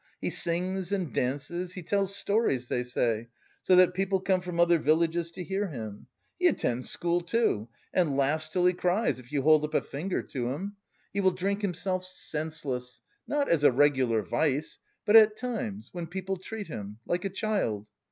He sings and dances, he tells stories, they say, so that people come from other villages to hear him. He attends school too, and laughs till he cries if you hold up a finger to him; he will drink himself senseless not as a regular vice, but at times, when people treat him, like a child.